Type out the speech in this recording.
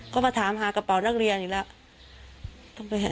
ก็มาถามหากระเป๋านักเรียนอีกแล้ว